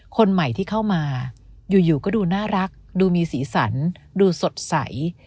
คนใหม่ที่เข้ามาอยู่ก็ดูน่ารักดูมีสีสันดูสดใส